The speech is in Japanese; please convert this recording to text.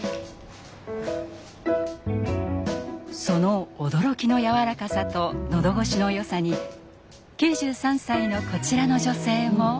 その驚きのやわらかさと喉越しのよさに９３歳のこちらの女性も。